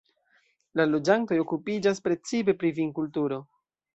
La loĝantoj okupiĝas precipe pri vinkulturo.